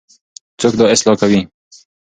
څوک دا اصلاح کوي؟